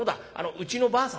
うちのばあさんね